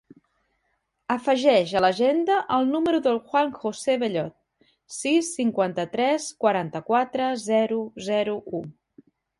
Afegeix a l'agenda el número del Juan josé Bellot: sis, cinquanta-tres, quaranta-quatre, zero, zero, u.